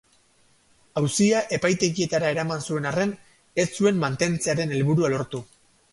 Auzia epaitegietara eraman zuen arren ez zuen mantentzearen helburua lortu.